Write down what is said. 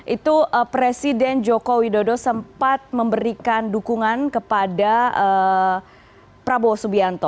itu presiden joko widodo sempat memberikan dukungan kepada prabowo subianto